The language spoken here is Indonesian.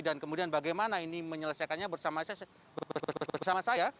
dan kemudian bagaimana ini menyelesaikannya bersama saya